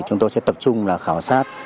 chúng tôi sẽ tập trung là khảo sát